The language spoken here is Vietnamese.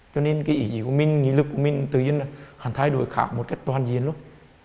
cho nên cái ý chí của mình nghĩ lực của mình tự nhiên là hẳn thay đổi khá một cách toàn diện lắm